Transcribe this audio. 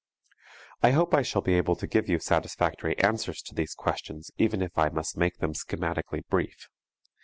I hope I shall be able to give you satisfactory answers to these questions even if I must make them schematically brief.